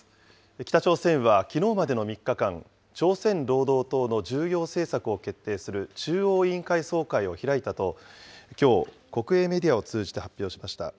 北朝鮮はきのうまでの３日間、朝鮮労働党の重要政策を決定する中央委員会総会を開いたと、きょう、国営メディアを通じて発表しました。